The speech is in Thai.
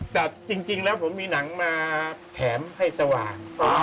แต่จริงแล้วผมมีหนังมาแถมให้สว่าง